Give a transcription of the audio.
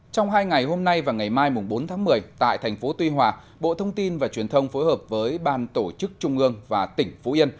trong hai ngày hôm nay và ngày mai bốn tháng một mươi tại thành phố tuy hòa bộ thông tin và truyền thông phối hợp với ban tổ chức trung ương và tỉnh phú yên